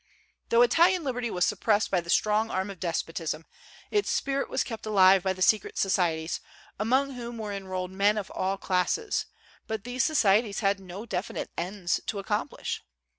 Though Italian liberty was suppressed by the strong arm of despotism, its spirit was kept alive by the secret societies, among whom were enrolled men of all classes; but these societies had no definite ends to accomplish.